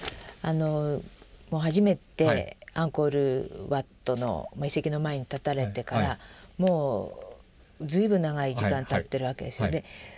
初めてアンコール・ワットの遺跡の前に立たれてからもう随分長い時間たってるわけですよね。